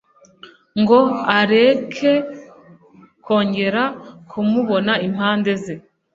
ngo areke kongera kumubona impande ze